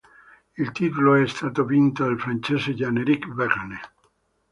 Il titolo è stato vinto dal francese Jean-Éric Vergne.